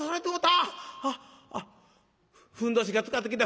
あっあっふんどしがつかってきた。